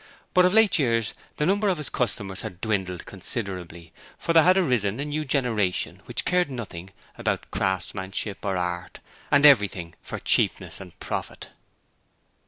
But of late years the number of his customers had dwindled considerably, for there had arisen a new generation which cared nothing about craftsmanship or art, and everything for cheapness and profit.